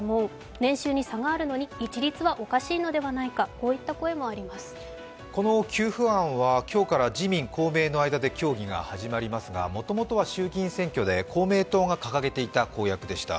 それぞれの意見としてはこの給付案は今日から自民・公明の間で協議が始まりますが、もともとは衆議院選挙で公明党が掲げていた公約でした。